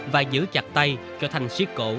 và giữ chặt tay cho thành siết cổ